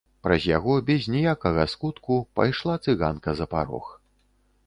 Праз яго без ніякага скутку пайшла цыганка за парог.